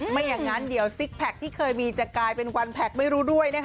ไม่อย่างนั้นเดี๋ยวซิกแพคที่เคยมีจะกลายเป็นวันแพคไม่รู้ด้วยนะคะ